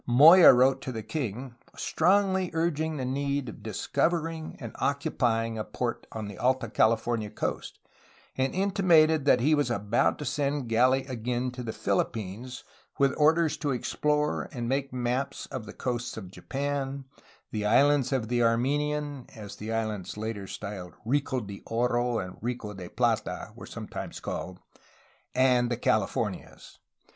Moya wrote to the king, strongly urging the need of discovering and occupying a port on the Alta California coast, and intimated that he was about to send Gali again to the Philippines, with orders to explore and make maps of the coasts of Japan, the islands of the Armenian (as the islands later styled Rica de Oro and Rica de Plata were sometimes called), and the Calif omias.